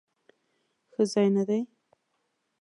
ښه ځای نه دی؟